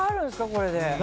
これで。